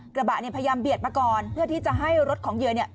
กระบะเนี่ยพยายามเบียดมาก่อนเพื่อที่จะให้รถของเหยื่อ